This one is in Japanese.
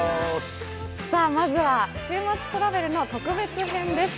まずは「週末トラベル」の特別編です。